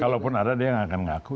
kalaupun ada dia yang akan ngaku